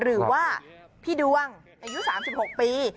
หรือว่าพี่ดวงอายุ๓๖ปี